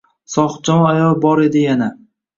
Sohibjamol ayol bor edi yana.